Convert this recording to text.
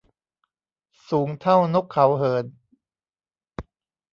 สูงเท่านกเขาเหิน